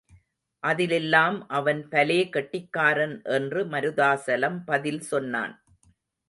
அதிலெல்லாம் அவன் பலே கெட்டிக்காரன் என்று மருதாசலம் பதில் சொன்னான்.